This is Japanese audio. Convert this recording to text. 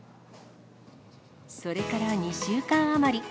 それから２週間余り。